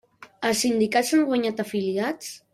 Els sindicats han guanyat afiliats?